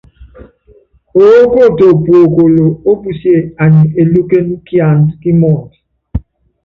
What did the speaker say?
Oókoto puokolo ópusíé anyi elúkéne kiandá kí mɔɔnd.